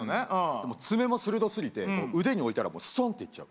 でも爪も鋭すぎて腕に置いたらストンっていっちゃう